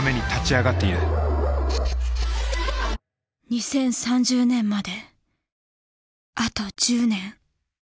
２０３０年まであと１０年。